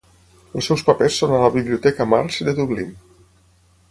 Els seus papers són a la biblioteca Marsh de Dublín.